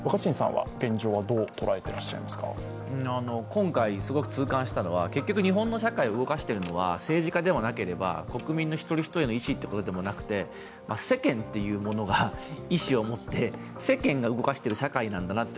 今回、すごく痛感したのは結局日本の社会を動かしているのは政治家でもなければ国民の一人一人の意思というものでもなくて世間というものが意思を持って、世間が動かしてる社会なんだなって